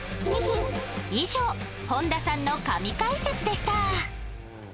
以上、本田さんの神解説でした。